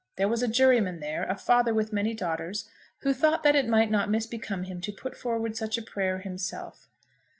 There was a juryman there, a father with many daughters, who thought that it might not misbecome him to put forward such a prayer himself.